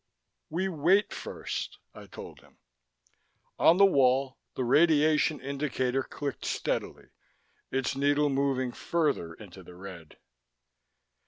"We wait first," I told him. On the wall, the radiation indicator clicked steadily, its needle moving further into the red.